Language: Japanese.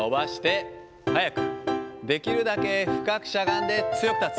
できるだけ深くしゃがんで早く立つ。